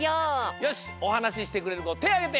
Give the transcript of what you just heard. よしおはなししてくれるこてをあげて！